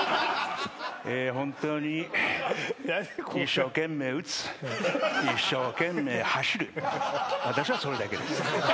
「ホントに一生懸命打つ」「一生懸命走る」「私はそれだけです」